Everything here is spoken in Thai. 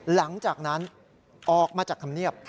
หลังจากนั้นออกมาจากธรรมเนียบ